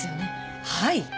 はい。